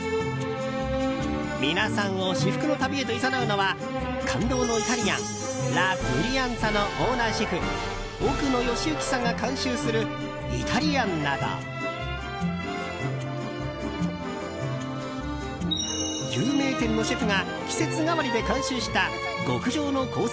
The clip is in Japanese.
皆さんを至福の旅へといざなうのは感動のイタリアンラ・ブリアンツァのオーナーシェフ、奥野義幸さんが監修するイタリアンなど有名店のシェフが季節替わりで監修した極上のコース